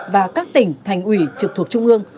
và các tỉnh thành ủy trực thuộc trung ương